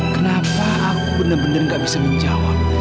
kenapa aku benar benar gak bisa menjawab